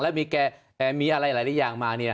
แล้วมีอะไรหลายอย่างมา